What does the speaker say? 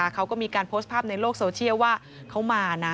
เขาก็มีการโพสต์ภาพในโลกโซเชียลว่าเขามานะ